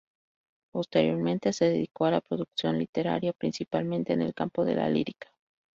Posteriormente se dedicó a la producción literaria, principalmente en el campo de la lírica.